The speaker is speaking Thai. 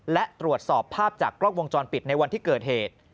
และตรวจสอบภาพจากกล้องวงจรปิดในวันที่เกิดเหตุ